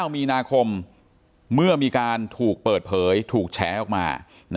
มีนาคมเมื่อมีการถูกเปิดเผยถูกแฉออกมา